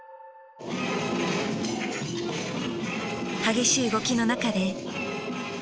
激しい動きの中で。